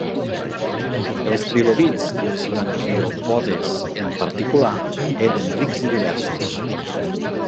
Els trilobits i els braquiòpodes en particular eren rics i diversos.